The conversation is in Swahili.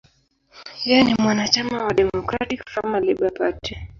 Yeye ni mwanachama wa Democratic–Farmer–Labor Party.